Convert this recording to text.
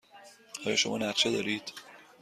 آیا شما نقشه دارید؟